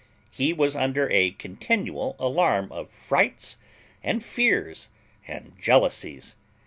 He was under a continual alarm of frights, and fears, and jealousies.